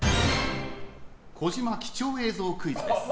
児嶋貴重映像クイズです。